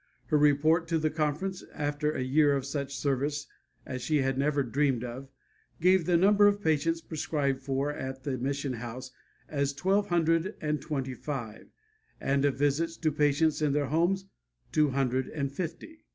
Her report to the conference, after a year of such service as she had never dreamed of, gave the number of patients prescribed for at the mission house as twelve hundred and twenty five, and of visits to patients in their homes, two hundred and fifty.